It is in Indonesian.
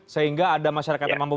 sehingga ada masyarakat yang mampu